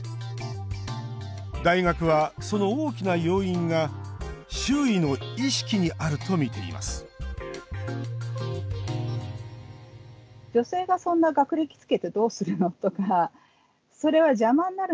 大学は、その大きな要因が周囲の意識にあるとみていますこんにちは。